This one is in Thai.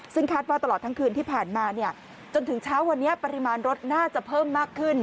ซึ่งคาดว่าตลอดทั้งคืนที่ผ่านมาจนถึงเช้าวันนี้ปริมาณรถน่าจะเพิ่มมากขึ้น